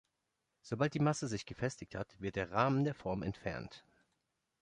Sobald die Masse sich gefestigt hat, wird der Rahmen der Form entfernt.